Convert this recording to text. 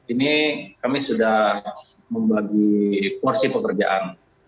ini kami sudah membagi porsi pekerjaan